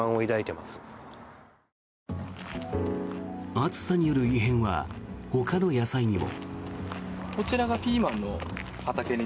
暑さによる異変はほかの野菜にも。